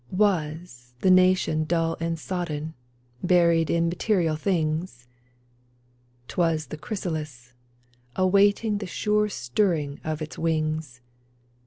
IVas the nation dull and sodden, Buried in material things ? 'Twas the chrysalis, awaiting The sure stirring of its wings